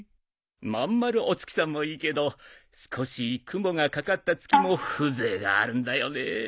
まん丸お月さんもいいけど少し雲が掛かった月も風情があるんだよね。